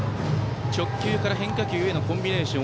直球から変化球へのコンビネーション。